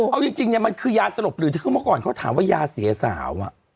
เอาจริงเนี่ยมันคือยาสลบหรือเมื่อก่อนเขาถามว่ายาเสียสาว